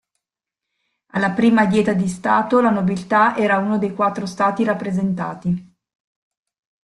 Alla prima Dieta di stato la nobiltà era uno dei quattro stati rappresentati.